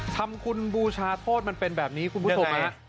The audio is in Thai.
ทำคุณบูชาโทษมันเป็นแบบนี้คุณผู้ชมฮะ